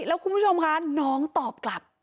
แล้วคุณผู้ชมคะน้องตอบกลับ